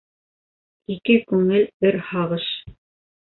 Ике күңел бер һағыш.